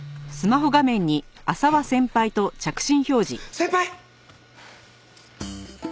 先輩！